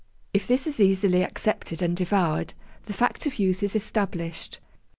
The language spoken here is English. If this is easily accepted and devoured, the fact of youth is established.'